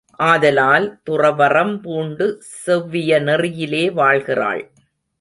ஆதலால், துறவறம் பூண்டு செவ்விய நெறியிலே வாழ்கிறாள்.